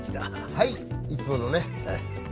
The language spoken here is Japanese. はいいつものね